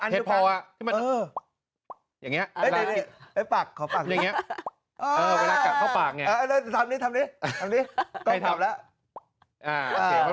เห็ดพออันนี้พัน